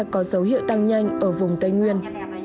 có dấu hiệu tăng nhanh ở vùng tây nguyên